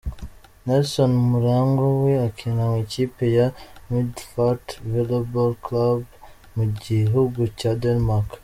Nelson Murangwa we akina mu ikipe ya Middelfart Volleyball Club mu gihugu cya Denmark.